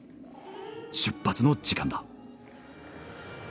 出発の時間だ。